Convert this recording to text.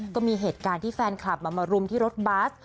ก็มีเหตุการณ์ที่แฟนคลับมารุมที่รถบัส